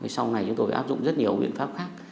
sau này chúng tôi phải áp dụng rất nhiều biện pháp khác